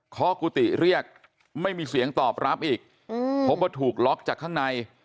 ข้อกุฏิเรียกไม่มีเสียงตอบรับอีกพบว่าถูกล็อกจากข้างใน